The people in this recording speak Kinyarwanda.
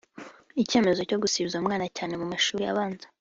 Icyemezo cyo gusibiza umwana cyane mu mashuri abanza